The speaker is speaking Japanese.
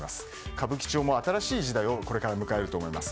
歌舞伎町も新しい時代をこれから迎えると思います。